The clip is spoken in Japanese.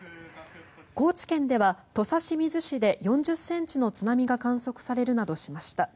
高知県では土佐清水市で４０ｃｍの津波が観測されるなどしました。